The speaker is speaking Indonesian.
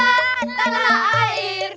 ate pacaran sama siapa